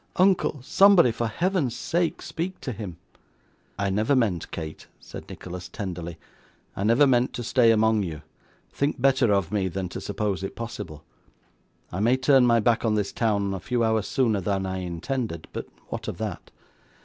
Uncle, somebody, for Heaven's sake speak to him.' 'I never meant, Kate,' said Nicholas, tenderly, 'I never meant to stay among you; think better of me than to suppose it possible. I may turn my back on this town a few hours sooner than I intended, but what of that?